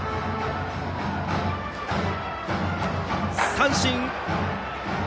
三振！